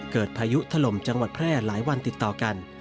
พายุถล่มจังหวัดแพร่หลายวันติดต่อกัน